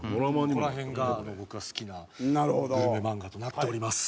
ここら辺が僕が好きなグルメ漫画となっております。